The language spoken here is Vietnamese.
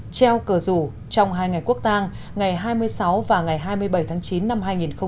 treo cờ rủ trong hai ngày quốc tang ngày hai mươi sáu và ngày hai mươi bảy tháng chín năm hai nghìn một mươi chín